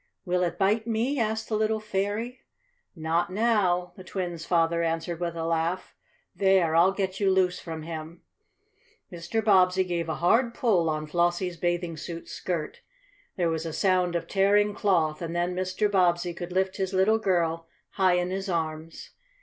"Will it bite me?" asked the little "fairy." "Not now!" the twins' father answered with a laugh. "There, I'll get you loose from him!" Mr. Bobbsey gave a hard pull on Flossie's bathing suit skirt. There was a sound of tearing cloth and then Mr. Bobbsey could lift his little girl high in his arms.